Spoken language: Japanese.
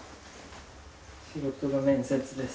仕事の面接です。